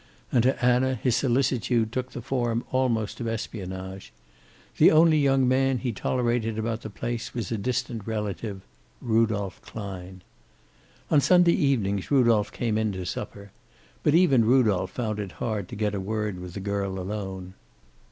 And to Anna his solicitude took the form almost of espionage. The only young man he tolerated about the place was a distant relative. Rudolph Klein. On Sunday evenings Rudolph came in to supper. But even Rudolph found it hard to get a word with the girl alone.